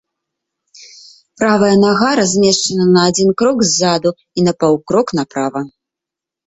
Правая нага размешчана на адзін крок ззаду і на паўкрок направа.